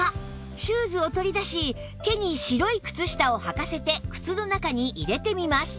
シューズを取り出し手に白い靴下をはかせて靴の中に入れてみます